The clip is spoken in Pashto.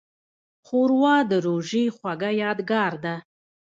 ښوروا د روژې خوږه یادګار ده.